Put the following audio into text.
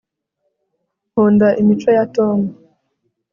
nkunda imico ya tom